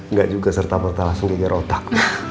nggak juga serta merta langsung kejar otak